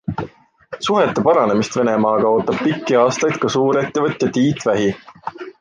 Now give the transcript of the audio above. Suhete paranemist Venemaaga ootab pikki aastaid ka suurettevõtja Tiit Vähi.